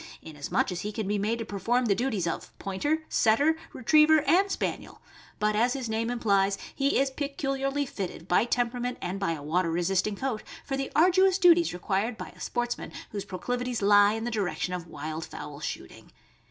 293 inasmuch as he can be made to perform the duties of Pointer, Setter, Retriever, and Spaniel; but, as his name implies, he is peculiarly fitted by temperament and by a water resisting coat for the arduous duties required by a sportsman whose proclivities lie in the direction of wild fowl shooting.